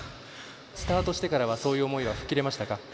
スタートしてからはそういう思いは吹っ切れましたか？